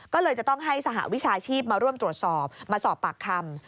ก็เลยจะต้องให้สหวิชาชีพมาร่วมตรวจสอบมาสอบปากคำ